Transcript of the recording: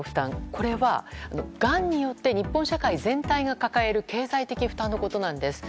これは、がんによって日本社会全体が抱える経済的負担のことなんです。